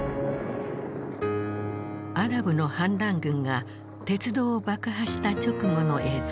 アラブの反乱軍が鉄道を爆破した直後の映像。